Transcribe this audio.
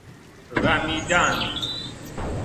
رمیدن